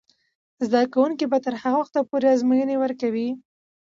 زده کوونکې به تر هغه وخته پورې ازموینې ورکوي.